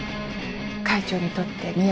会長にとってみ